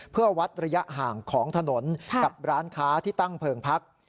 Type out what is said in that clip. เพื่อวัดระยะห่างของถนนกับร้านค้าที่ตั้งเพลิงพัก